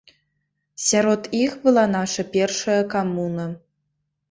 Сярод іх была наша першая камуна.